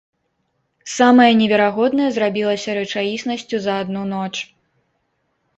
Самае неверагоднае зрабілася рэчаіснасцю за адну ноч.